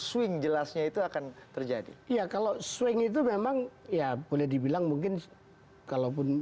swing jelasnya itu akan terjadi ya kalau swing itu memang ya boleh dibilang mungkin kalaupun